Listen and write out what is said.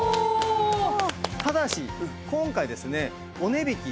ただし今回ですねお値引き